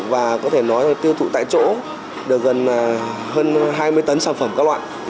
và có thể nói là tiêu thụ tại chỗ được gần hơn hai mươi tấn sản phẩm các loại